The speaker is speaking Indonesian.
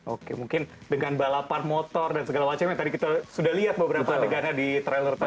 oke mungkin dengan balapan motor dan segala macam yang tadi kita sudah lihat beberapa adegannya di trailer tadi